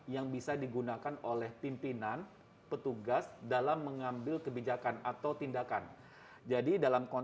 yang bisa digunakan oleh pimpinan petugas dalam mengambil kebijakan atau tindakan